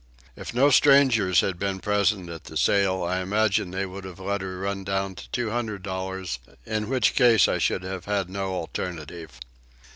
If no strangers had been present at the sale I imagine they would have let her run down to 200 dollars, in which case I should have had no alternative.